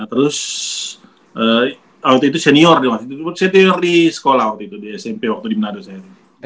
terus waktu itu senior di sekolah waktu itu di smp waktu di manado saya